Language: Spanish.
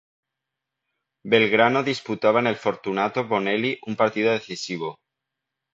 Belgrano disputaba en el Fortunato Bonelli un partido decisivo.